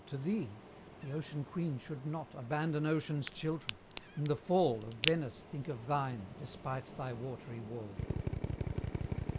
to thee: the Ocean Queen should not Abandon Ocean's children; in the fall Of Venice think of thine, despite thy watery wall.